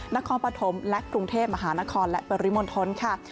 นครปฐมและกรุงเทพมหานครและปริมณฑลค่ะ